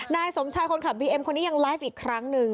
นายสมชายคนขับบีเอ็มคนนี้ยังไลฟ์อีกครั้งหนึ่ง